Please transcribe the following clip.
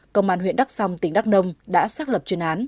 công an huyện đắc song tỉnh đắc nông đã xác lập chuyên án